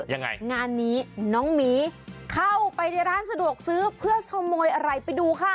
ยังไงงานนี้น้องหมีเข้าไปในร้านสะดวกซื้อเพื่อขโมยอะไรไปดูค่ะ